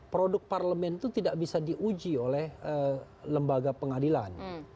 produk parlemen itu tidak bisa diuji oleh lembaga pengadilan